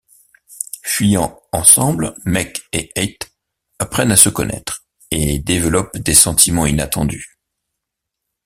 Fuyant ensemble, Mehk et Eit apprennent à se connaître, et développent des sentiments inattendus.